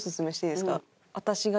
私が。